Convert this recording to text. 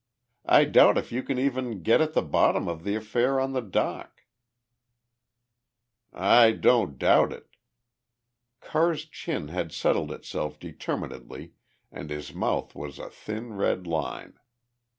I doubt if you can even get at the bottom of the affair on the dock." "I don't doubt it!" Carr's chin had settled itself determinedly and his mouth was a thin red line.